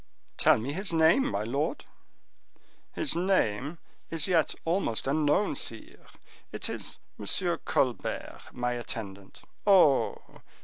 "Tell me his name, my lord." "His name is yet almost unknown, sire; it is M. Colbert, my attendant. Oh!